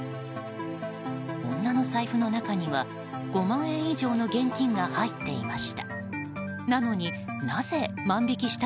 女の財布の中には５万円以上の現金が入っていました。